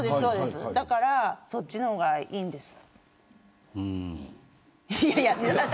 だからそっちの方がいいんです。